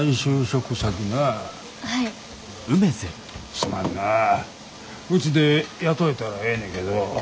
すまんなうちで雇えたらええねけど。